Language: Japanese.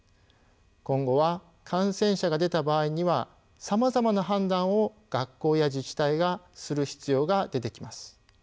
今後は感染者が出た場合にはさまざまな判断を学校や自治体がする必要が出てきます。